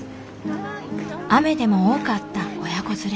雨でも多かった親子連れ。